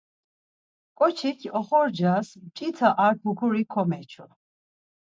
Ǩoçik oxorcas mç̌ita ar pukuri komeçu.